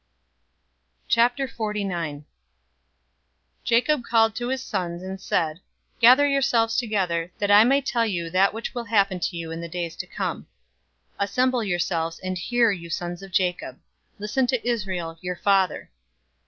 049:001 Jacob called to his sons, and said: "Gather yourselves together, that I may tell you that which will happen to you in the days to come. 049:002 Assemble yourselves, and hear, you sons of Jacob. Listen to Israel, your father.